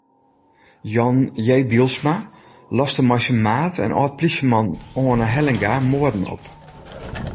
Jan J. Bylsma loste mei syn maat en âld-plysjeman Anne Hellinga moarden op.